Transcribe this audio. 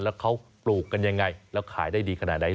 แล้วเขาปลูกกันยังไงแล้วขายได้ดีขนาดไหน